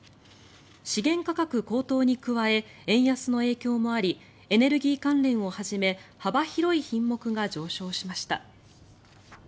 資源価格高騰に加え円安の影響もありエネルギー関連をはじめ幅広い品目が上昇しました。